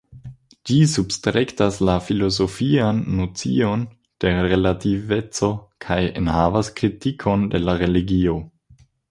Ĝi substrekas la filozofian nocion de relativeco kaj enhavas kritikon de la religio.